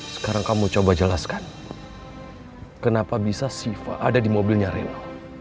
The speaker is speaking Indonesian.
sekarang kamu coba jelaskan kenapa bisa siva ada di mobilnya reno